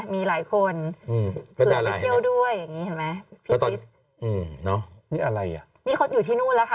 พี่พริสนี่อะไรน่ะนี่เขาอยู่ที่นู่นแล้วค่ะ